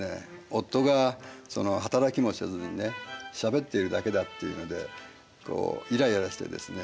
夫が働きもせずにねしゃべっているだけだっていうのでイライラしてですね